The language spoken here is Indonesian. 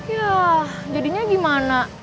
yah jadinya gimana